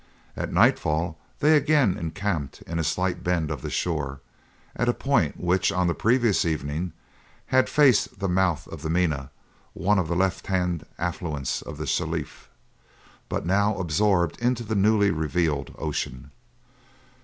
At nightfall they again encamped in a slight bend of the shore, at a point which on the previous evening had faced the mouth of the Mina, one of the left hand affluents of the Shelif, but now absorbed into the newly revealed ocean.